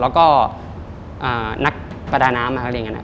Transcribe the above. แล้วก็นักประดาน้ำอะไรอย่างนี้